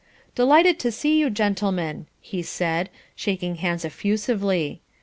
"Delighted to see you, gentlemen," he said, shaking hands effusively.